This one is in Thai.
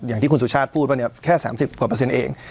อย่างที่คุณสุชาติพูดว่าเนี่ยแค่๓๐กว่าเปอร์เซ็นต์เอง